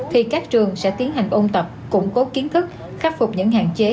thì các trường sẽ tiến hành ôn tập củng cố kiến thức khắc phục những hạn chế